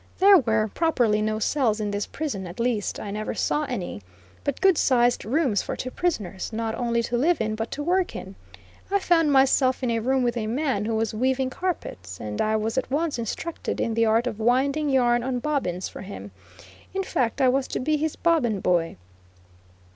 There were, properly no "cells" in this prison at least I never saw any; but good sized rooms for two prisoners, not only to live in but to work in. I found myself in a room with a man who was weaving carpets, and I was at once instructed in the art of winding yarn on bobbins for him in fact, I was to be his "bobbin boy."